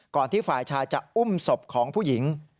ที่ฝ่ายชายจะอุ้มศพของผู้หญิง